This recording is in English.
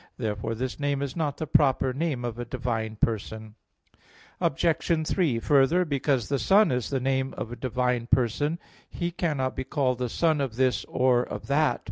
Therefore this name is not the proper name of a divine Person. Obj. 3: Further, because the Son is the name of a divine Person He cannot be called the Son of this or of that.